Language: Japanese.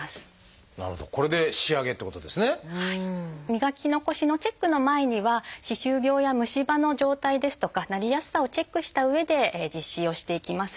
磨き残しのチェックの前には歯周病や虫歯の状態ですとかなりやすさをチェックしたうえで実施をしていきます。